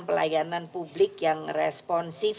pelayanan publik yang responsif